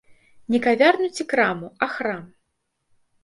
Не кавярню ці краму, а храм.